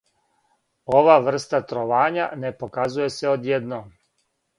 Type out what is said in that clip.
Ова врста тровања не показује се одједном.